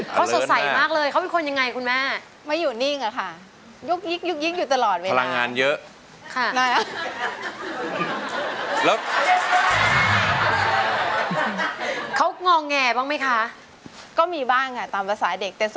เขาสดใสมากเลยเขาเป็นคนยังไงคุณแม่